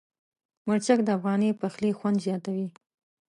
مرچک د افغاني پخلي خوند زیاتوي.